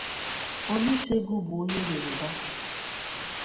Olusegun bu onye Yoruba.